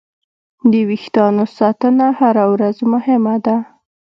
د وېښتیانو ساتنه هره ورځ مهمه ده.